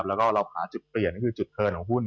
แล้วก็เราหาจุดเปลี่ยนก็คือจุดเทิร์นของหุ้น